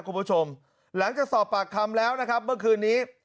คุณผู้ชมหลังจากสอบปากคำแล้วนะครับเมื่อคืนนี้